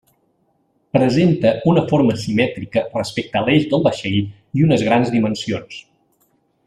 Presenta una forma simètrica respecte a l'eix del vaixell i unes grans dimensions.